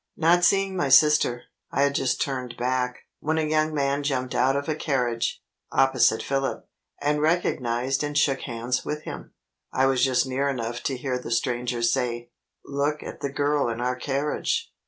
Not seeing my sister, I had just turned back, when a young man jumped out of a carriage, opposite Philip, and recognized and shook hands with him. I was just near enough to hear the stranger say, "Look at the girl in our carriage."